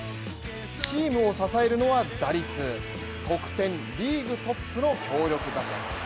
チームを支えるのは打率、得点、リーグトップの強力打線。